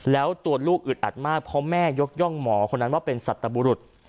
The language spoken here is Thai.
แล้วตัวลูกอึดอัดมากเพราะแม่ยกย่องหมอคนนั้นว่าเป็นสัตบุรุษ